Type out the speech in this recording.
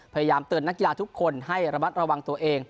พยายามเตริญนักกีฬาทุกคนให้ระวังตัวเอง